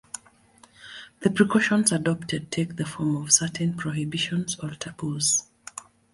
The precautions adopted take the form of certain prohibitions or taboos.